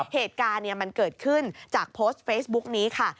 เหตุการณ์มันเกิดขึ้นจากโพสต์เฟซบุ๊กนี้ค่ะ